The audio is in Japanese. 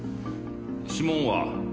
指紋は？